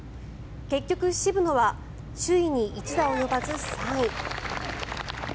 結局、渋野は首位に１打及ばず３位。